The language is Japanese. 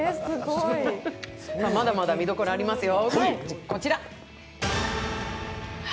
まだまだ見どころありますよ。